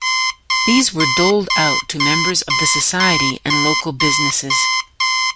These were doled out to members of the society and local businesses.